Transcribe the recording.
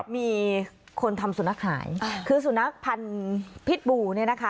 มีคนทำสุนัขหายคือสุนัขพันธุ์พิษบูเนี่ยนะคะ